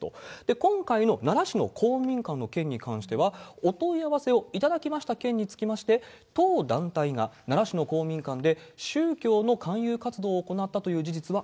今回の奈良市の公民館の件に関しては、お問い合わせを頂きました件につきまして、当団体が奈良市の公民館で宗教の勧誘活動を行っ